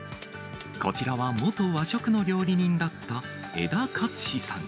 こちらは元和食の料理人だった枝克士さん。